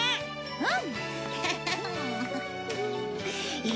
うん？